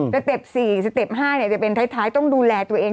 เต็ป๔สเต็ป๕จะเป็นท้ายต้องดูแลตัวเอง